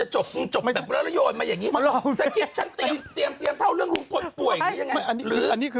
หือป่วยเหรอ